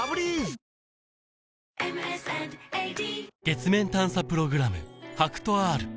月面探査プログラム